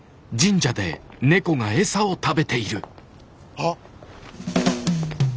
あっ！